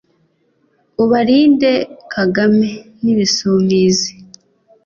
ubalinde kagame n,ibisumizi